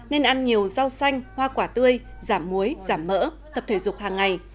nên ăn nhiều rau xanh hoa quả tươi giảm muối giảm mỡ tập thể dục hàng ngày